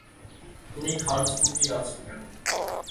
তুমি ঘাড় ঝুঁকিয়ে আছ কেন?